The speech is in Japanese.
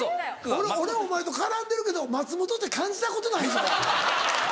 俺お前と絡んでるけど松本って感じたことないぞ。